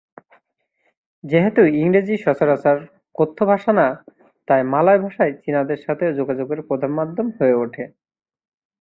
যেহেতু ইংরেজি সচরাচর কথ্য ভাষা না, তাই মালয় ভাষাই চীনাদের সাথে যোগাযোগের প্রধান মাধ্যম হয়ে উঠে।